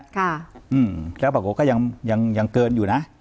ค่ะแล้วปรากฏก็ยังเกินอยู่นะ